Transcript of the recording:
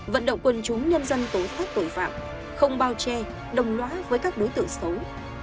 vận động quân chúng nhân dân tối thác tội phạm không bao che đồng lõa với các đối tượng xấu